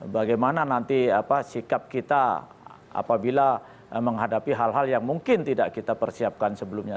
bagaimana nanti sikap kita apabila menghadapi hal hal yang mungkin tidak kita persiapkan sebelumnya